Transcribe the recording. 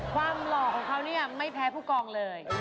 หล่อของเขาเนี่ยไม่แพ้ผู้กองเลย